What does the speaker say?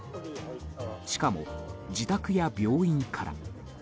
しかも、自宅や病院から。